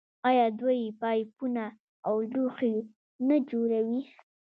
آیا دوی پایپونه او لوښي نه جوړوي؟